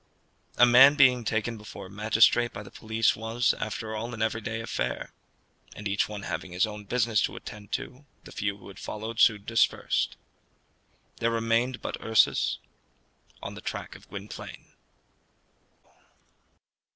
A man being taken before a magistrate by the police was, after all, an everyday affair, and each one having his own business to attend to, the few who had followed soon dispersed. There remained but Ursus on the track of Gwynplaine.